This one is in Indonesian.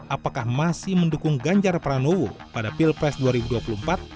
apakah masih mendukung ganjar pranowo pada pilpresiden